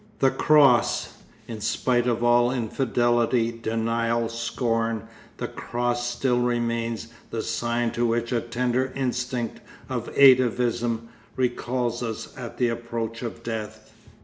The Cross! In spite of all infidelity, denial, scorn, the Cross still remains the sign to which a tender instinct of atavism recalls us at the approach of death.